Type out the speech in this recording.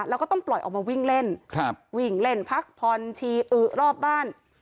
แล้วก็ต้องปล่อยออกมาวิ่งเล่นวิ่งเล่นพักผ่อนชีอือรอบบ้าน